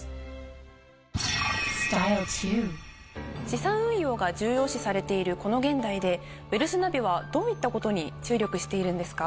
資産運用が重要視されているこの現代でウェルスナビはどういったことに注力しているんですか？